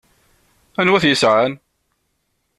Anwa i t-yesɛan?